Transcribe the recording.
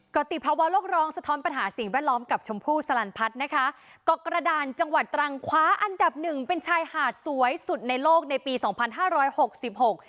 ก็ติดภาวะโลกร้องสะท้อนปัญหาสิ่งแวดล้อมกับชมพู่สลันพัฒน์นะคะเกาะกระดานจังหวัดตรังคว้าอันดับหนึ่งเป็นชายหาดสวยสุดในโลกในปีสองพันห้าร้อยหกสิบหก